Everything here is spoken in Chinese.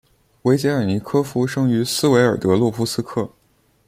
维捷尔尼科夫生于斯维尔德洛夫斯克。